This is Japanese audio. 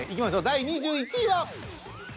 第２１位は。